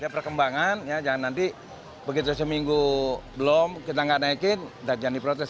perkembangan jangan nanti begitu seminggu belum kita gak naikin jangan diprotes